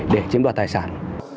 để chiếm đoạt tài sản